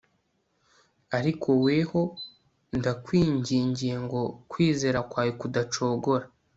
ariko weho ndakwingingiye ngo kwizera kwawe kudacogora